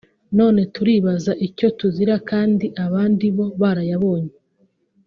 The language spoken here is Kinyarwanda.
none turibaza icyo tuzira kandi abandi bo barayabonye